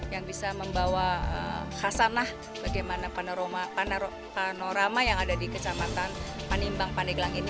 yang bisa membawa khasanah bagaimana panorama yang ada di kecamatan panimbang pandeglang ini